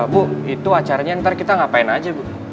bu itu acaranya ntar kita ngapain aja bu